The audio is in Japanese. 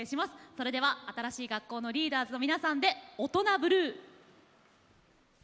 それでは新しい学校のリーダーズの皆さんで「オトナブルー」。